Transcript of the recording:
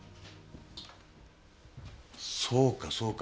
そうかそうか。